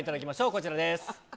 こちらです。